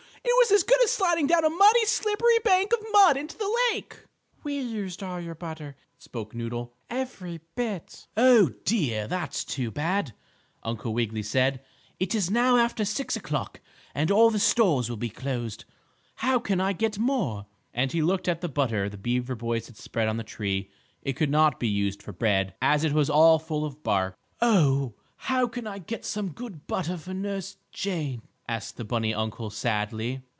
It was as good as sliding down a muddy, slippery bank of mud into the lake." "We used all your butter," spoke Noodle. "Every bit." "Oh, dear! That's too bad!" Uncle Wiggily said. "It is now after 6 o'clock and all the stores will be closed. How can I get more?" And he looked at the butter the beaver boys had spread on the tree. It could not be used for bread, as it was all full of bark. "Oh, how can I get some good butter for Nurse Jane?" asked the bunny uncle sadly.